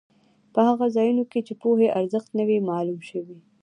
په هغو ځایونو کې چې پوهې ارزښت نه وي معلوم شوی.